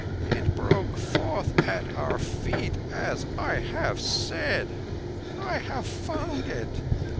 It broke forth at our feet, as I have said. I have found it.